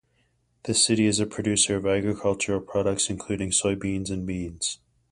This city is a producer of agricultural products including soybeans and beans.